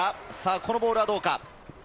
このボールはどうか？